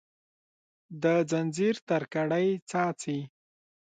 د ځنځیر تر کړۍ څاڅي